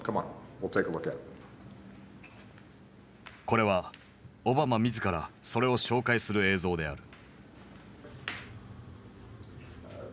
これはオバマ自らそれを紹介する映像である。